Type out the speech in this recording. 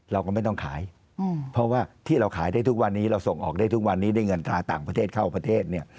เราก็ไม่ต้องขายเพราะว่าที่เราขายได้ทุกวันนี้เราส่งออกได้ทุกวันนี้ได้เงินตราต่างประเทศเข้าประเทศเนี่ย